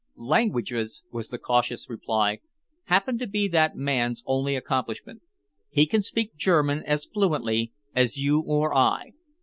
"Languages," was the cautious reply, "happen to be that man's only accomplishment. He can speak German as fluently as you or I.